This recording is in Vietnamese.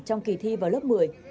trong kỳ thi vào lớp một mươi